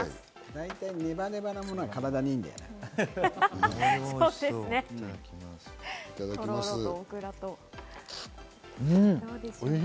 だいたい、ネバネバのものは体にいいんだよね。